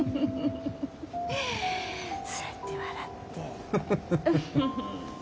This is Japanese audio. そうやって笑って。